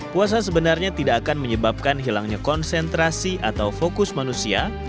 puasa sebenarnya tidak akan menyebabkan hilangnya konsentrasi atau fokus manusia